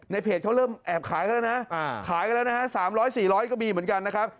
ในเพจเขาเริ่มแอบขายก็แล้วนะขายก็แล้วนะสามร้อยสี่ร้อยก็มีเหมือนกันนะครับ